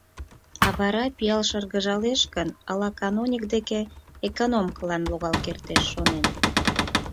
А вара, пиал шыргыжалеш гын, ала каноник деке экономкылан логал кертеш, шонен.